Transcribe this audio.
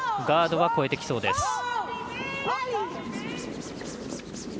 ガードは越えてきそうです。